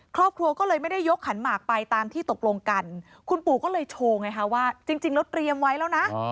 ครอบครัวก็เลยไม่ได้ยกขันหมากไปตามที่ตกลงกันคุณปู่ก็เลยโชว์ไงคะว่าจริงแล้วเตรียมไว้แล้วนะ